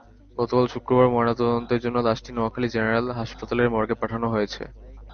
গতকাল শুক্রবার ময়নাতদন্তের জন্য লাশটি নোয়াখালী জেনারেল হাসপাতালের মর্গে পাঠানো হয়েছে।